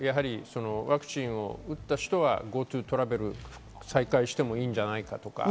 ワクチンを打った人はＧｏＴｏトラベルを再開してもいいんじゃないかとか。